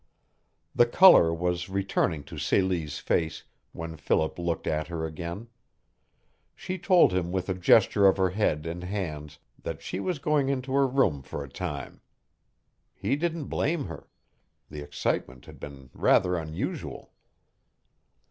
The color was returning to Celie's face when Philip looked at her again. She told him with a gesture of her head and hands that she was going into her room for a time. He didn't blame her. The excitement had been rather unusual.